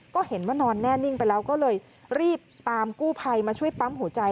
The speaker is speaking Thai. ก็เห็นว่านอนแน่นิ่งไปแล้วก็เลยรีบตามกู้ภัยมาช่วยปั๊มหัวใจ